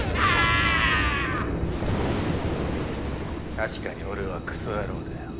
確かに俺はクソ野郎だよ。